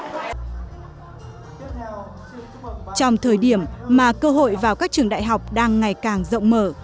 trong thời điểm mà cơ hội vào các trường đại học đang ngày càng rộng mở